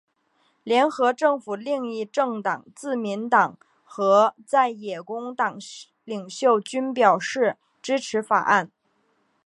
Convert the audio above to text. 联合政府另一政党自民党和在野工党领袖均表示支持法案。